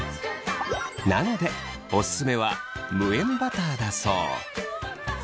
なのでオススメは無塩バターだそう。